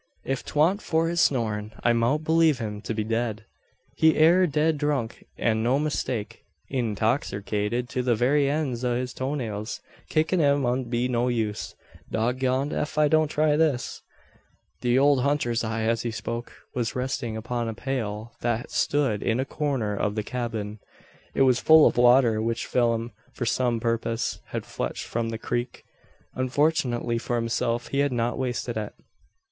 "If 'twa'n't for his snorin' I mout b'lieve him to be dead. He air dead drunk, an no mistake; intoxerkated to the very eends o' his toe nails. Kickin' him 'ud be no use. Dog goned, ef I don't try this." The old hunter's eye, as he spoke, was resting upon a pail that stood in a corner of the cabin. It was full of water, which Phelim, for some purpose, had fetched from the creek. Unfortunately for himself, he had not wasted it.